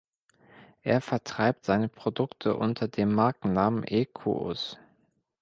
Er vertreibt seine Produkte unter dem Markennamen „Equus“.